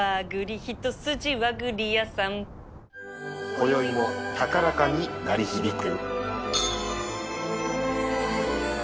こよいも高らかに鳴り響く。